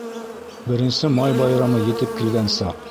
Беренсе Май байрамы етеп килгән саҡ.